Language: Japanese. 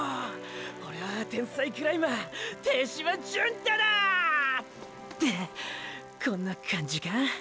オレは天才クライマー手嶋純太だァ！！」ってこんなかんじか。